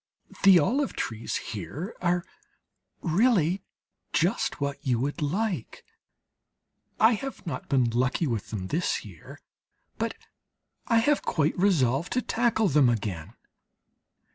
The olive trees here are really just what you would like. I have not been lucky with them this year; but I have quite resolved to tackle them again.